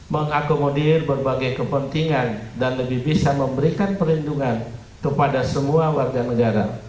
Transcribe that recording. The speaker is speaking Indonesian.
mengakomodir berbagai kepentingan dan lebih bisa memberikan perlindungan kepada semua warga negara